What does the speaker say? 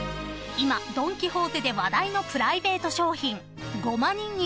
［今ドン・キホーテで話題のプライベート商品］